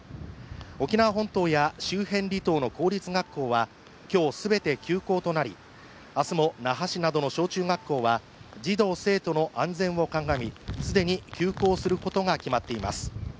沖縄本島や周辺離島の公立学校は今日全て休校となり、明日も那覇市などの小中学校は児童生徒の安全を鑑み既に休校することが決まっています。